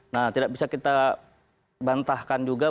nah tidak bisa kita bantahkan juga